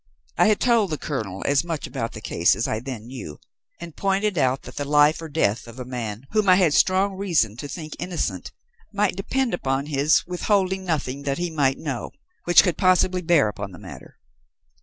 I had told the colonel as much about the case as I then knew, and pointed out that the life or death of a man whom I had strong reason to think innocent might depend upon his withholding nothing he might know which could possibly bear upon the matter.